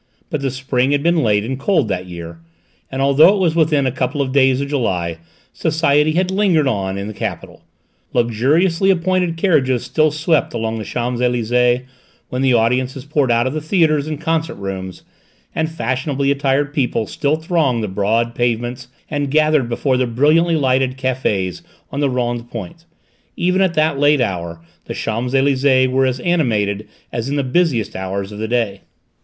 But the spring had been late and cold that year, and although it was within a couple of days of July society had lingered on in the capital; luxuriously appointed carriages still swept along the Champs Elysées when the audiences poured out of theatres and concert rooms, and fashionably attired people still thronged the broad pavements and gathered before the brilliantly lighted cafés on the Rond Point; even at that late hour the Champs Elysées were as animated as in the busiest hours of the day.